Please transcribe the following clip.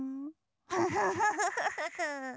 フフフフフフ。